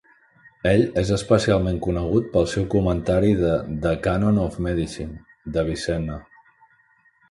Ell és especialment conegut pel seu comentari de "The Canon of Medicine" d'Avicenna.